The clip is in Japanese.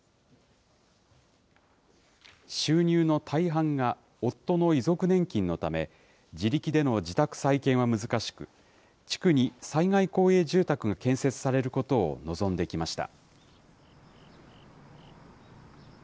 収入の大半が夫の遺族年金のため、自力での自宅再建は難しく、地区に災害公営住宅が建設されることを望んできました。